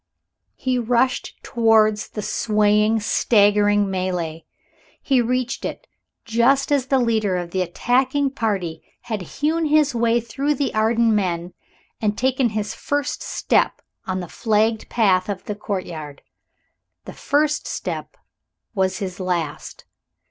he rushed towards the swaying, staggering mêlée. He reached it just as the leader of the attacking party had hewn his way through the Arden men and taken his first step on the flagged path of the courtyard. The first step was his last.